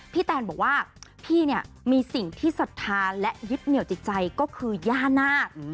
แตนบอกว่าพี่เนี่ยมีสิ่งที่ศรัทธาและยึดเหนียวจิตใจก็คือย่านาค